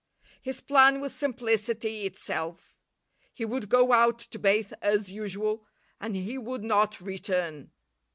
His plan was simplicity itself. He would go out to bathe as usual, and he would not return.